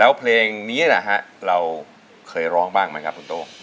แล้วเพลงนี้นะฮะเราเคยร้องบ้างไหมครับคุณโต้